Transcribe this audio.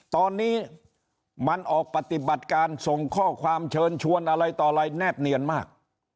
ตอนนี้มันออกปฏิบัติการส่งข้อความเชิญชวนอะไรต่ออะไรแนบเนียนมาก